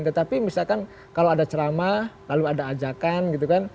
tetapi misalkan kalau ada ceramah lalu ada ajakan gitu kan